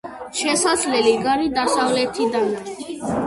შესასვლელი კარი დასავლეთიდანაა.